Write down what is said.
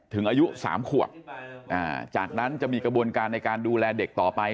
อายุ๓ขวบจากนั้นจะมีกระบวนการในการดูแลเด็กต่อไป